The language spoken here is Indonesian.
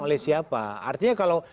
oleh siapa artinya kalau